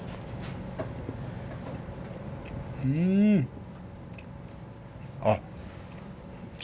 うん。あっ。